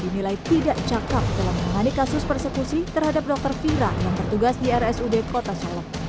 menangkap dalam mengani kasus persekusi terhadap dr fira yang bertugas di rsud kota solok